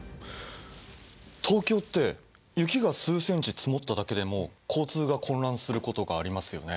東京って雪が数ｃｍ積もっただけでも交通が混乱することがありますよね。